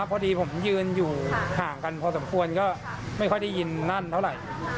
พอดีผมยืนอยู่ห่างกันพอสมควรก็ไม่ค่อยได้ยินนั่นเท่าไหร่